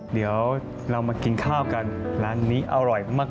เดี๋ยวเรามากินข้าวกันร้านนี้อร่อยมาก